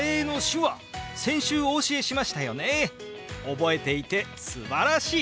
覚えていてすばらしい！